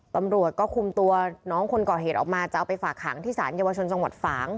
ตำรวจก็คุมตัวน้องคนก่อเหตุออกมาจะเอาไปฝากหางที่สารเยาวชนจังหวัดฝาง